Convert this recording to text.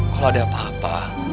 kalau ada apa apa